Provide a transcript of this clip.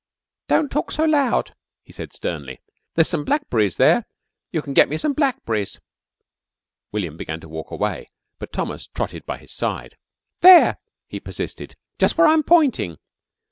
"Don't talk so loud," he said sternly. "There's some blackberries there. You can get me some blackberries." William began to walk away, but Thomas trotted by his side. "There!" he persisted. "Jus' where I'm pointing.